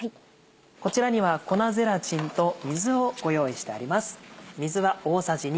こちらには粉ゼラチンと水を用意してあります。